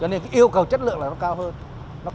cho nên cái yêu cầu chất lượng là nó cao hơn